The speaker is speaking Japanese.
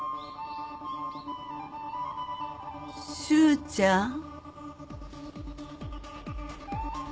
蹴ちゃん。